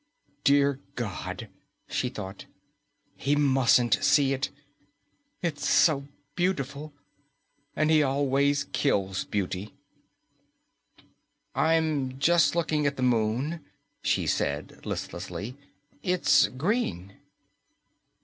Dear God, she thought, he mustn't see it. It's so beautiful, and he always kills beauty. "I'm just looking at the Moon," she said listlessly. "It's green."